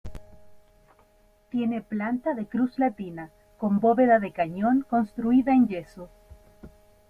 Tiene planta de cruz latina, con bóveda de cañón construida en yeso.